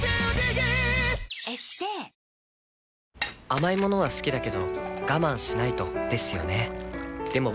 甘い物は好きだけど我慢しないとですよね